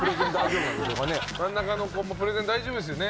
真ん中の子もプレゼン大丈夫ですよね？